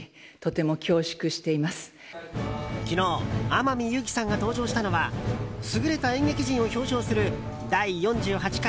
昨日、天海祐希さんが登場したのは優れた演劇人を表彰する第４８回